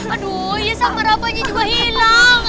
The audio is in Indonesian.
aduh iya sama rabanya juga hilang